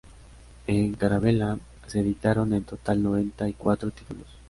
En Carabela se editaron en total noventa y cuatro títulos.